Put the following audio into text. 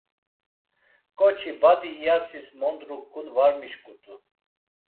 Ǩoçi, badi iyasis mondruǩun var mişǩut̆u.